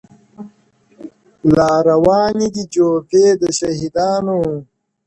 لا رواني دي جوپې د شهيدانو!.